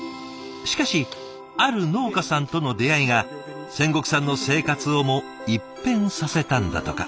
しかしある農家さんとの出会いが仙石さんの生活をも一変させたんだとか。